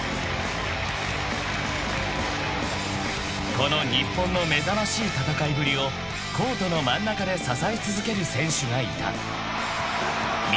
［この日本の目覚ましい戦いぶりをコートの真ん中で支え続ける選手がいた］